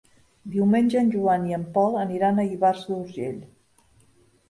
Diumenge en Joan i en Pol aniran a Ivars d'Urgell.